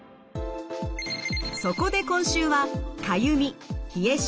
そこで今週はかゆみ冷え症